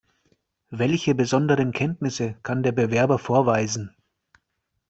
Welche besonderen Kenntnisse kann der Bewerber vorweisen?